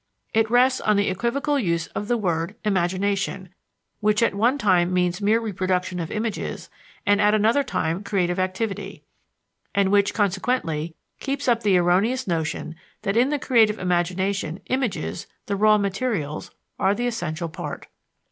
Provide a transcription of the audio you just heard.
It rests on the equivocal use of the word "imagination," which at one time means mere reproduction of images, and at another time creative activity, and which, consequently, keeps up the erroneous notion that in the creative imagination images, the raw materials, are the essential part.